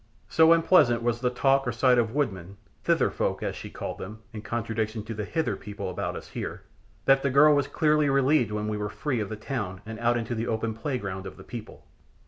So unpleasant was talk or sight of woodmen (Thither folk, as she called them, in contradiction to the Hither people about us here), that the girl was clearly relieved when we were free of the town and out into the open playground of the people.